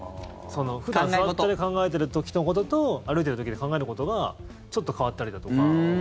普段、座って考えてる時のことと歩いている時で考えることがちょっと変わったりだとか。